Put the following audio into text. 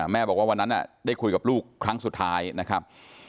บอกว่าวันนั้นได้คุยกับลูกครั้งสุดท้ายนะครับ